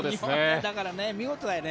だから見事だよね。